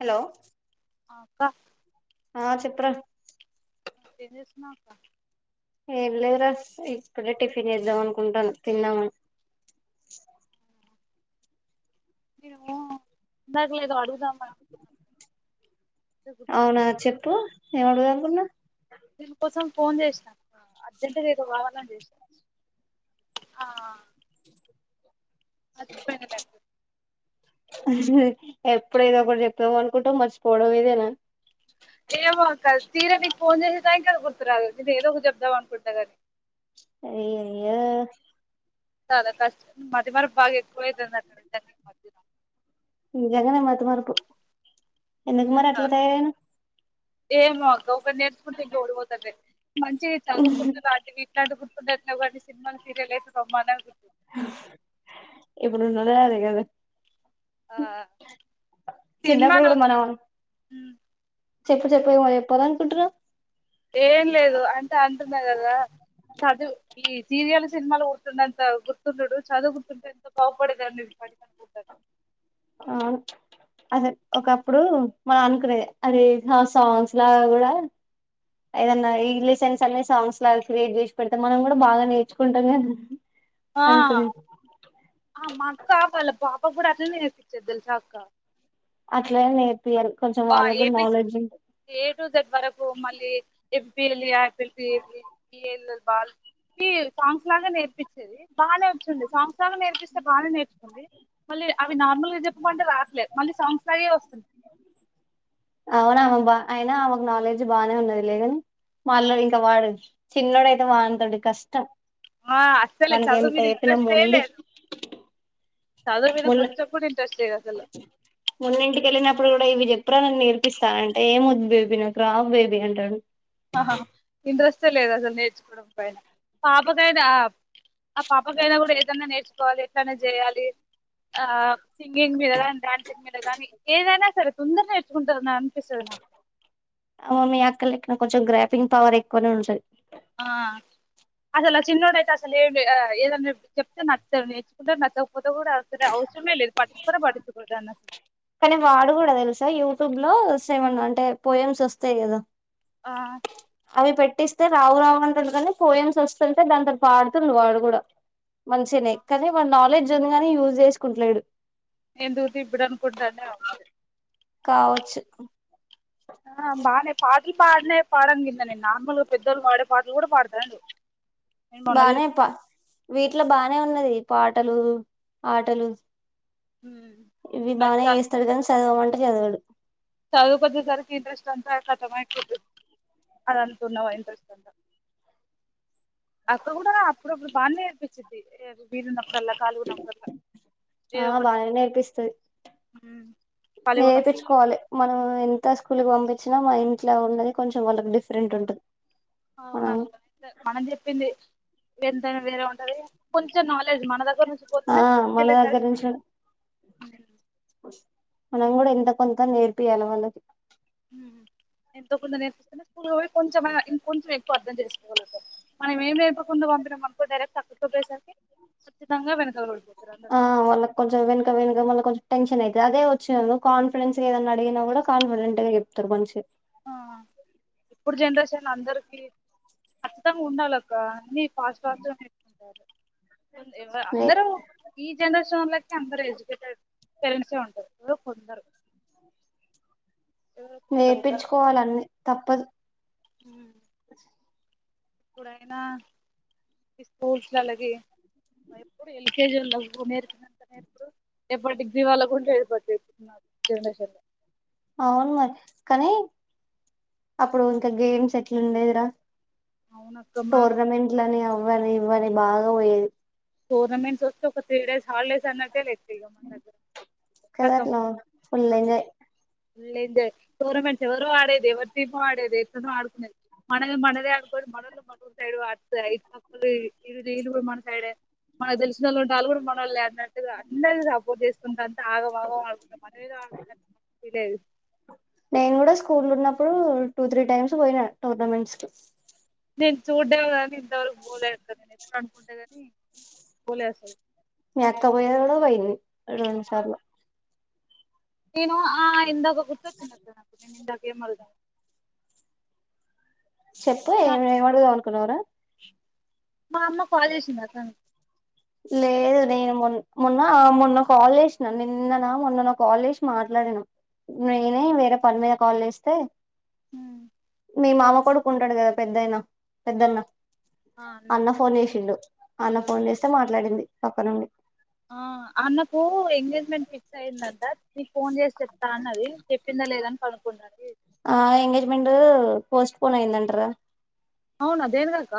Hello ఆ అక్క ఆ చెప్పురా ఏం చేస్తున్నావ్ అక్క ఏం లేదురా ఇప్పుడే టిఫిన్ చేద్దాం అనుకుంటాన తిందామని నేనేమో ఇందాకల ఏదో అడుగు అవునా గుర్తురాట్లే చెప్పు ఏం అడుగుతా అనుకున్నవ్ దీనికోసం ఫోన్ చేసినా అక్కా అర్జెంట్గా ఏదో కావాలని చేసినా మర్చి పోయిన దాని అహ్ ఎప్పుడు ఏదో ఒకటి చెప్తాము అనుకుంటాం మర్చిపోవడం ఇదేనా ఏమో అక్క తీర నీక్ ఫోన్ చేసే టైమ్కి అది గుర్తురాదు నేను ఏదో ఒక చెప్దాం అనుకుంట గనీ అయ్యయో చాలా కష్ట మతి మరుపు బాగా ఎక్కువౌతుంది అక్కా నిజంగానే మత్ మరుపు ఎందుకు మరి నిజంగా అట్లా తయారైనావు ఏమో అక్క ఒకటి నేర్చకుంటే ఇంకోటి పోతున్నాయి మంచి చదువుకుంట అంటివి ఇట్లాంటివి గుర్తుండట్లేవు సినిమాలు, సీరియల్ అయితే బ్రహ్మాండంగా గుర్ ఇప్పుడు [inaudible] ఆ చిన్నప్పుడు సినిమాలు గుడా మనం ఉమ్, చెప్పు చిన్నప్పుడు చెప్పు ఏమో చెప్పాలన్ ఇట్రా చెప్తున్న కదా చదువు ఈ సీరియల్ సినిమాలు గుర్తుండంత గుర్తుండుడు చదువు గుర్తుంటే ఎంత బాగుపడేదాన్ని మీరు పసికట్టింటారా ఆ అదే ఒకప్పుడూ మనం అనుకునేది అది సాంగ్స్ లా కూడా ఏదన్నా ఇంగ్లీష్ లా చదివే అనే సాంగ్స్ లాగా క్రియేట్ చేసి పెడితే మనం కూడా బాగా నేర్చుకుంటాం కదా ఆ అవి కొని ఆ మా అక్క వాళ్ళ పాప కూడా అట్లనే నేర్పిచ్చేది తెలుసా అక్క అట్లా నేర్ బా ఏ బిస్ ఏ టు జెడ్ వరకు మళ్ళీ పిల్లి apple B A L L ball ఈ సాంగ్స్ లాగా నేర్పించేది బానేర్చుకుంది సంవత్సరాలు నేర్పిస్తే బాగా నేర్చుకుంది మళ్ళి య అవి నార్మల్ గ చెప్పంటే రాట్లేదు మళ్లీ సాంగ్స్ లాగే వస్ అవునబబ అయిన ఆమెకు నాలెడ్జ్ బానే ఉన్నది లే గానీ ఆ వాళ్ళు దింకా వాడరు చిన్నోడయితే వానితోటి కష్టం ఆ అస్సలు వానికి చదువు ఎంత మీద చెప్పినా ఇంట్రెస్టే లే పోన్లే మొన్నె ఇంటికెళ్ళినప్పుడు కూడా ఇవే చెప్పింది ఎప్పుడన్న నేర్పిస్తారంటే ఏం వద్దు నాకు రావు బేబీ అనీ అంటాడు ఆహా ఇంట్రెస్టే లేదు అసలు నేర్చుకోవడం పైన పాపకైతె ఆ పాపకైనా కూడా ఏదైనా నేర్చుకోవాలి ఎట్లనా చేయాలి ఆ సింగింగ్ మీద గాని డాన్సింగ్ మీద గానీ ఏదైనా సరే తొందర నేర్చుకుంటారు నా అనిపిస్తుంది నాకు అ మీ అక్క లెక్కన కొంచెం గ్రాఫింగ్ పవర్ ఎక్కువనే ఉంటది ఆ అసలు ఆ చిన్నోడు అయితే అసలు ఏ ఏదన్నా చెప్తే నచ్చడు నేర్చుకుంటారు నచ్చకపోతే కూడా అసర అవసరమే లేదు పట్టు కూడ పట్టించుకోడు అని అసలు కానీ వాడు కూడా తెలుసా యూట్యూబ్ లో సెవెన్ ఉంటాయి పోయమ్స్ వస్తాయి కదా ఆ అవి పెట్టిస్తే రావు రావు అంటుది కానీ పోయమ్స్ వస్తుంటే దాని తొ పాడుతుంది వాడు కూడా మంచిగానే కానీ వాడు నాలెడ్జ్ ఉంది కాగాని యూజ్ చేసుకుంటలేడు ఎందుర్ది ఇప్పుడు అనుకుంటన్ననే అ మరి కావొచ్చు ఆ బానె ఫాల్ ఈ పాటనే పాడంగిని నిన్న అంగులో పెద్దోళ్ళు పాడే పాటలు కూడా పాడతా బానే ప వీట్లో బానే ఉన్నది పాటలూ ఆటలు ఇవి అది బానే వేస్తాడు కానీ చదవమంట అ చదవడు చదువు కోద్దేసరికి ఇంట్రెస్ట్ అంతా ఖతం అయిపోద్ది అది అనుకున్నావా ఇంట్రెస్ట్ అంత అక్క కూడా అప్పుడప్పుడు బానె నేర్పించిద్ది వీలున్న ఆ ఒకటి బాగానే నేర్పిస్తుది ఖాళీగా ఉన్నప్పుడు నేర్పిచ్చుకోవాలి మనం ఎంత స్కూల్కి పంపించినా మా ఇంట్లో ఉన్నది కొంచెం వాళ్ళకి డిఫరెంట్ ఉంటది మనం అవునక్క [inaudible] మనం చెప్పింది ఎంతైనా వేరే ఉంటది కొంచెం నాలెడ్జ్ మన దగ్ ఆ మన దగ్గర నుంచి మనం కూడా ఎంతో కొంత నే [unintelligible] ఊహూ ఎంతోకొంత నేర్పిస్తున్నా కొంచెమ ఇంకంచెం ఎక్కువ అర్థం చేసుకోగలుగుతాం మనం ఏం లేకోకుండా పంపినం అనుకో డైరెక్ట్ తక్క చెప్పేసరికి ఖచ్చితంగా వినకాల [inaudible] ఆ వాళ్ళ కొంచం వెనక వెనుక మళ్ళ కొంచెం టెన్షన్ అయి అదే వచ్చి [unintelligible] కాన్ఫిడెన్స్ గా ఏదైన్నా అడిగినా కూడా కాన్ఫిడెంట్ గా చెప్తారు మంచి అందరితో ఇప్పుడు జనరేషన్ ల అందరికీ ఖచ్చితంగా ఉండాలక్క నీ అందరు ఈ జనరేషన్ వాళ్లకి అందరూ ఎడ్యుకేటెడ్ తెలిసే ఉంటంది ఇంక కొందరు ఎవరో కొందరు నేర్పించుకోవాలన్నీ తప్పదు ఉమ్ ఇప్పుడైనా స్కూల్స్ అలాగే ఎప్పుడు ఎల్కేజీ [unintelligible] రేప్పటికి జీవాల గుంటే [inaudible] జనరేషన్ లో అవును మరి కానీ అప్పుడు ఇంకా గేమ్స్ ఎట్లుండేదిరా అవునక్క మన టోర్నమెంట్ లని అవ [unintelligible] బాగా పోయేది టోర్నమెంట్ వస్తే ఒక త్రీ డేస్ హాలిడేస్ అన్నట్టే లే కదట్ల ఫుల్ ఎంజాయ్ లేదు లే టోర్నమెంట్స్ ఎవరో ఆడేది ఎవరి టీం ఆడేది ఎట్టనో ఆడుకునేది మనది మనదే అనుకోని మనలు మనరు సైడ్ ఆడుతు ఇ వీలు కూడా మన సైడే మనకు తెలిసినోళ్ళుంటే ఒళ్ళు కూడా మనోళ్లే [unintelligible] అందరి సపోర్ట్ చేసుకుంట ఆగమాగం [inaudible] మనమేదో ఆడుతున్నట్టు [inaudible] లేదు నేను కూడా స్కూల్ ఉన్నప్పుడు టూ త్రీ టైమ్స్ పోయిన టోర్నమెంట్స్ కి నేను చూడ్డాం కాని త వరకు పోలే అక్క [inaudible] [unintelligible] మీ అక్క పోయింది కూడా పోయింది రెండుసార్లు నేను ఆ ఇంతక్ [unintelligible] ఏమి మళ్ల చెప్పు ఏ ఏమడుగుదాం అనుకున్నావ్ రా మా అమ్మ కాల్ చేసింది వద్దని లేదు నేను మొ మొన్ మొన్న కాల్ చేసి మొన్న కాల్ చేసిన నిన్న నా మొన్న నో కాల్ చేసి మాట్లాడినా నేనే వేరే పని మీద కాల్ చేస్తే ఉ మీ మామ కొడుకు ఉంటాడు కదా పెద్దయినా ఆ పెద్దన్న అన్న ఫోన్ చేసిండు అన్న ఫోన్ చేస్ మాట్లాడింది పక్కనోళ్ళు ఆ అన్నకు ఎంగేజ్మెంట్ ఫిక్స్ అయ్యిందంట ఫోన్ చేసి చెప్తా అని అన్నది చెప్పిందా లేదా అని కనుకున్నది ఆ ఎంగేజ్మెంట్ పోస్ట్ పోన్ అయ్యిందంట రా అవునా దేనికి అక్క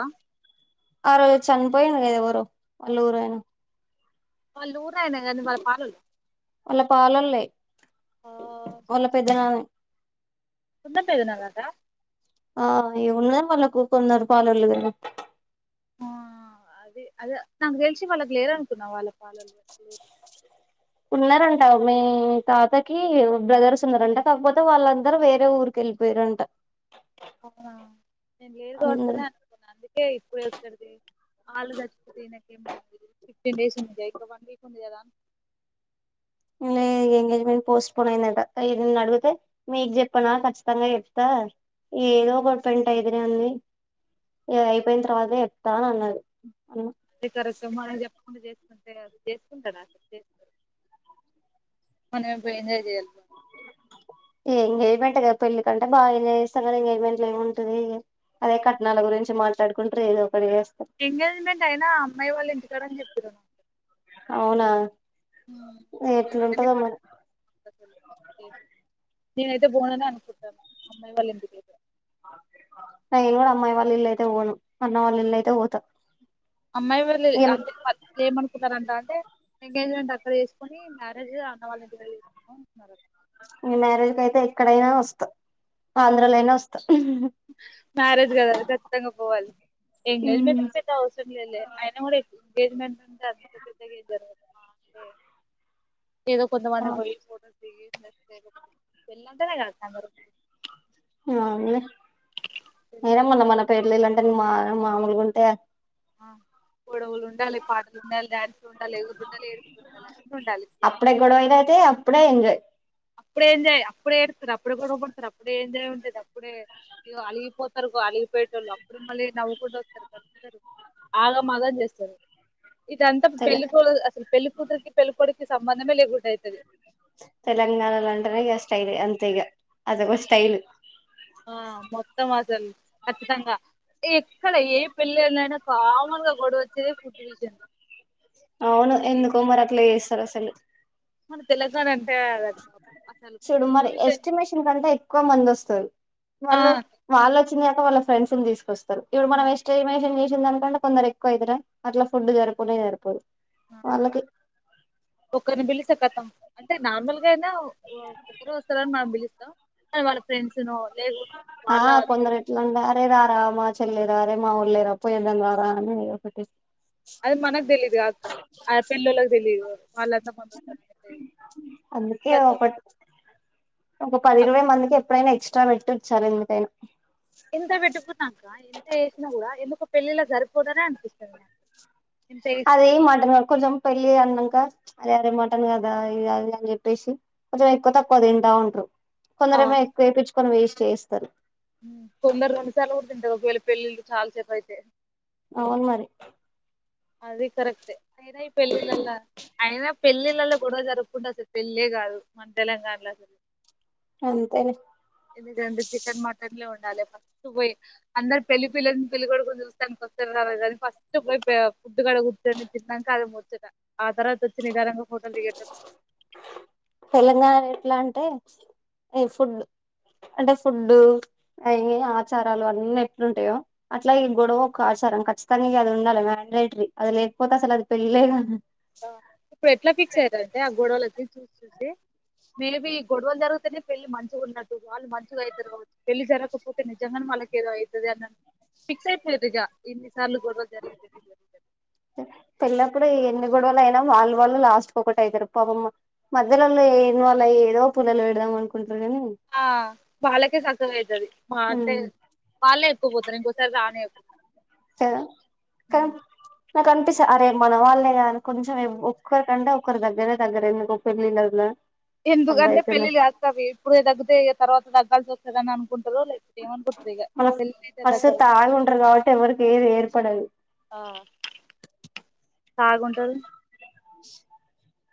ఆ రోజు చనిపోయింది కద ఎవరో వాళ్ళ ఊరు అయినా వాళ్లు ఊరు ఆయన మన పాల్లోలు వాళ్ల పాలోల్లే వాళ్ల పెద్దనాన్నే ఉత్త పెద్దనాన్న నా ఆ ఇ ఉన్నద వాళ్ళకు కొందరు పాలోలది ఏమో ఆ అది అదే నాకు తెలిసి వాళ్ళకి లేరనుకున్నా వాళ్ళ పాలోల్లు ఉన్నారంట మీ తాతకి బ్రదర్స్ ఉన్నారంట కాకపోతే వాళ్ళందరూ వేరే ఊరికి వెళ్ళిపోయిరంట అవునా నేను లేదు అందరు కావచ్చనే అనుకున్నాను అందుకే ఇప్పుడే ఒక్కడిది వాళ్ళు చచ్చిపోతే ఈయనకి ఏమైంది ఫిఫ్టీన్ డేస్ ఉంది క ఇకా వన్ వీక్ ఉంది కదా లే ఎంగేజ్మెంట్ పోస్ట్పోన్ అయిందట ఇ నన్ను అడిగితే మీకు చెప్పనా ఖచ్చితంగా చెప్తా ఏదో ఒక పెంటయ్ ఈడుంది అయిపోయిన తర్వాతే చెప్తా అని అన్నది అన్న అదే కరెక్టే మనకి చెప్పకుండా చే అంటే చేసుకుంటరా అసలు చేస్తారు మనం అప్పుడు ఎంజాయ్ చేయాలి పోయింటి కదా పెళ్లి కంటే బా ఎంజాయ్ చేస్తావు కదా ఎంగేజ్మెంట్లో ఏం ఉంటది. అదే కట్నాల గురించి మాట్లాడుకుంటరు ఏదో ఒకటి చేస్తారు దిర అవునా ఉ అమ్మాయి ఎట్లుంటదో వాళ్ళింటికి మరి మనకి నేనైతే పొననే అనుకుంటన్నా అమ్మాయి వాళ్ళ ఇంటికైతే నేను కూడా అమ్మాయి వాళ్ళ ఇల్లయితే పోను అన్న వాళ్ళు ఇల్లు అయితే పోతా అమ్మాయి వాళ్ళ ఇ అంటే ఏమనుకున్నారంట అంటే ఎంగేజ్మెంట్ అక్కడ చేసుకుని మ్యారేజ్ అన్నవాళ్ళ ఇంటి దగ్గర చేసుకుందాం అన్నారంట మీ మ్యారేజ్ కయితే ఎక్కడైనా వస్తా ఆంధ్రాలైనా వస్తా మ్యారేజ్ కది ఖచ్చితంగా పోవాలి ఎంగేజ్మెంట్ కు పెద్ద అవసరం లేదులే అయన కూడా ఎంగేజ్మెంట్ అంటే అంత పెద్దగెమ్ జరుగుదు మా అంటే ఏదో కొంతమపోయి పోటో పెళ్లంటేనే కదా అక్క అందరూ అవునులే నేనే మొన్న పెళ్ళికి మన పేర్లు ఇళ్ళంటే మా మాములుగుంటే ఆ గొడవులు ఉండాలి పాటలు ఉండాలి డ్యాన్సులు ఉండాలి ఎగురుడుండాలి ఏడుపులు ఉండాలి అన్ని ఉండాలి అప్పుడే గొడవలు అయితే అప్పుడే ఎంజాయ్ అప్పుడే ఎంజాయ్ అప్పుడే ఏడుత్తరు అప్పుడే గొడవపడతారు అప్పుడే ఎంజాయ్ ఉంటేది అప్పుడే ఇగ అలిగిపోతారు అలిగిపోయేట వాళ్ళు అప్పుడు మళ్ళీ నవ్వుకుంటూ వస్తారు కలుస్తారు ఆగమాగం చేస్తారు ఇదంతా తెల పెళ్ళికూ అసలు పెళ్లి కూతురికి పెళ్లికొడికి సంబధంలేకుండ్ తెలంగాణ అంటెనే ఇగ స్టైల్ అంతే ఇగ అదొక స్టైల్ ఆ మొత్తం అసలు ఖచ్చితంగా ఎక్కడ ఏ పెళ్ళనైనా కామ గా గొడవ వచ్చేదే ఫుడ్ విషయం ల అవును ఎందుకుమరట్ల చేస్ రసలు మన తెలంగాన చెడు మరి విషయం ఎస్టిమేషన్ కంటే ఎక్ క్కువ మందొస్తరు ఆ వాళ్ళు వాళ్లొచ్చిందే గాక వాళ్ళ ఫెండ్స్ తీసుకొస్తా ఇప్పుడు మన హ్మ్. ఎశ్టిమేషన్ కంటే కొందరు ఎక్కువ అవుతుార అట్లా ఫుడ్ జరిపులే సరిపోదు వాళ్ళకి ఒక్కరిని మిలి సా తే కతం అంటే నార్మల్ గా అయినా ఒకక్కరు వస్తారని మనం పిలుస్తాం అ వాళ్ళ ఫ్రెండ్స్ నో ఆ కొందరెట్లాడుండరే రా ఆ మా చెల్లేరారే మా ఉళ్ళరు పోవదడం దారా అనిటి అది మనకు తెలీదు అక్క ఆ పిల్లలకి తెలిదు వాళ్ళంతా మందు వస్తారు అందుకే తె ఒకటి ఒక పది ఇరవై మందికి ఎప్పుడైనా ఎక్స్ట్రా పెట్టి ఇచ్చారు ఎందుకైనా ఎంత పెట్టుకుతాక ఎంత వేసినా కూడా ఎందుకు పెళ్ళిలా సరిపోదనే అనిపిస్తుంది నాకు ఎంత చేసినా అదే కూడా మాటంగా కొంచెం పెళ్ళి అన్నాంక అరే అరే మటన్ కదా ఇ అది అని చెప్పేసి కొంచెం ఎక్కువ తక్కువ తింటా ఉంటారు కొందరేమో ఎకువేపిచ్చ కొని వేస్ట్ చేస్తారు కొందంద స ఉఊర్తంట త వెళ్ళ పెళ్లిిళు చాల సేపు అయితే అవునుమరి అది కరెక్ట్ే అయినా ఈ పెళ్ళిళ్ళలో అయినా పెళ్ళిళ్ళలో కూడా జరుపుకుంటే అసలు పెళ్ళ కాదు మన తెలంగాణలో అసలు అంతేలే ఎందు ర చికెన్ మటన్ లే ఉండాలి ఫస్ట్ పోయి అందరు పెళ్లి పిల్లని పెళ్ళలిికడుకని చూస్తానికి వస్తారు రాలేదు అది ఫస్ట్ పోయి గుుట్టు కడగుర్ట్టని తిన్నాక అది ముచ్చట ఆ తర్వాత వచ్చి నిదానంగా హోటల్ దిగేట ఉంటు తెలంగాణ ఎట్లా అంటే ఈ ఫుడ్ అంటే ఫుడ్డు అవి ఆచారాలు అన్నీ ఎట్లుంటాయో అట్లా ఈ గొడవ ఒక ఆచారం ఖచ్చితంగా అది ఉండాలి మ్యాండేటరీ అది లేకపోతే అసలు అది పెళ్ళలే క ఇప్పుడు ఎట్లా ఫిక్స్ అయ్యారంటే ఆ గోడవలచ్చి చూసి చూసి మేబీ గొడవలు జరుగుతేనే పెళ్లి మంచిగా ఉండదు వాళ్ళు మంచిగా అవుతారు కావచ్చు పెళ్లి జరగకపోతే నిజంగా మళ్ళ ఎదో అయితది అన్నా ఫిక్స్ అయిపొది ఇగ ఎనిస్ చలు గొడవ జరిగి జరి జరి జరి గొడవలఅయినా వాళ్ళు వాళ్ళు లాట్ ఒకటి అవుతారు పాపమ్ మధ్యలో ఏ వాళ్ళు ఏదో పల్లలు పెడదాం అనుకుంట ఆ వాళ్ళకే సక్కవ అవుతుది మా అంటే వాళ్ళే ఎక్కువ పోతారు ఇంకోసారి రానే ఎక్కు కదా నాకు అనిపిస్తంది అరే మన వాళ్ళ కానీ కొంచెం ఒక్కరికంటే ఒకరి దగ్గరే దగ్గర ఎందుకు ఒక పెళ్ళిళ ఎందుక అంటే పెళ్ళిళ్ కాస్తవి ఇప్పుడు తగ్తే తర్వాత తగ్గాల్సి వంది ా అనుకుంట మన ఫస్ట్ దగ్గర తాగి ఉంటరు కాబట్టి ఎవరికి ఏది ఏర్పడదు తాగుంటారు ష్